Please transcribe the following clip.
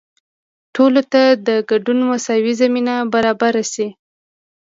ټولو ته د ګډون مساوي زمینه برابره شي.